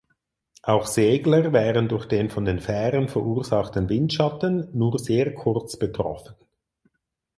Auch Segler wären durch den von den Fähren verursachten Windschatten nur sehr kurz betroffen.